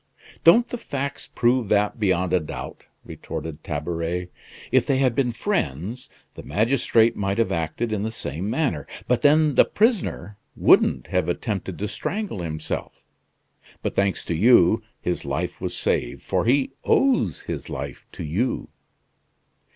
"Don't the facts prove that beyond a doubt?" retorted Tabaret. "If they had been friends, the magistrate might have acted in the same manner; but then the prisoner wouldn't have attempted to strangle himself. But thanks to you; his life was saved; for he owes his life to you.